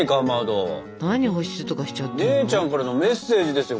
姉ちゃんからのメッセージですよ。